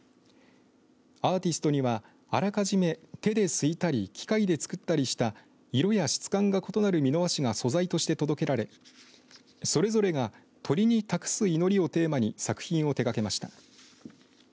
アーティストには、あらかじめ手ですいたり機械で作ったりした色や質感が異なる美濃和紙が素材として届けられそれぞれが鳥に託す祈りをテーマに作品を手がけました。